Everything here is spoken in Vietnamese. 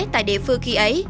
tại địa phương khi ấy